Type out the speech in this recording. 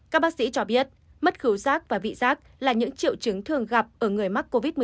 các bác sĩ cho biết mất khẩu sát và vị sát là những triệu chứng thường gặp ở người mắc covid một mươi chín